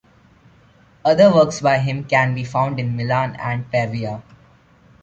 Other works by him can be found in Milan and Pavia.